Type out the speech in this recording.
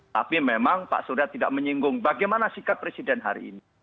tapi memang pak surya tidak menyinggung bagaimana sikap presiden hari ini